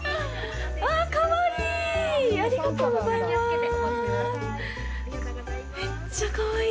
わあ、かわいい。